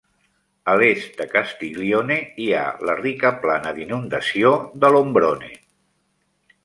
A l'est de Castiglione hi ha la rica plana d'inundació de l'Ombrone.